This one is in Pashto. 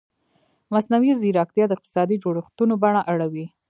مصنوعي ځیرکتیا د اقتصادي جوړښتونو بڼه اړوي.